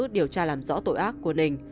điều tra làm rõ tội ác của nình